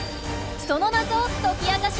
その謎を解き明かします！